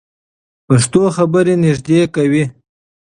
پښتو خبرې نږدې کوي.